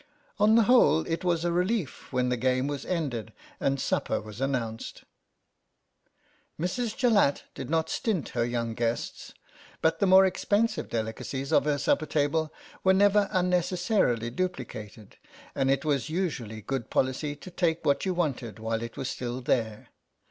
On the whole, it was a relief when the game was ended and supper was announced. Mrs. Jallatt did not stint her young guests, but the more expensive delicacies of her supper table were never unnecessarily duplicated, and it was usually good policy to take what you wanted while it was still there.